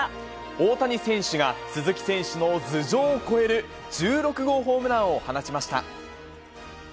大谷選手が鈴木選手の頭上を越える１６号ホームランを放ちしました。